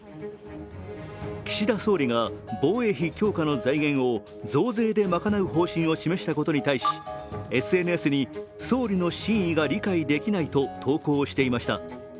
岸田総理が防衛費強化の財源を増税で賄う方針を示したことに対し、ＳＮＳに総理の真意が理解できないと投稿していました。